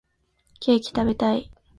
ケーキ食べたい